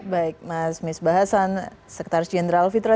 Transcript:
baik mas misbahasan sekretaris jenderal fitra